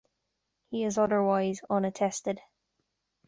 He is otherwise unattested.